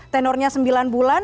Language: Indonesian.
tenornya sembilan bulan